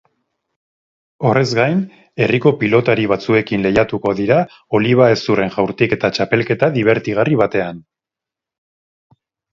Horrez gain, herriko pilotari batzuekin lehiatuko dira oliba-hezurren jaurtiketa txapelketa dibertigarri batean.